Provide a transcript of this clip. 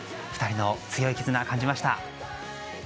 ２人の強い絆を感じました。